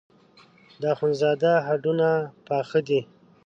د اخوندزاده هډونه پاخه دي.